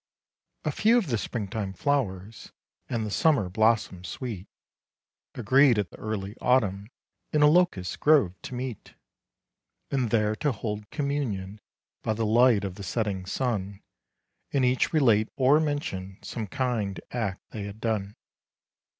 A few of the springtime flowers, And the summer blossoms sweet, Agreed, at the early autumn, In a locust grove to meet, And there to hold communion, By the light of the setting sun, And each relate or mention Some kind act they had done.